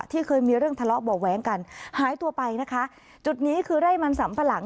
เคยมีเรื่องทะเลาะเบาะแว้งกันหายตัวไปนะคะจุดนี้คือไร่มันสัมปะหลัง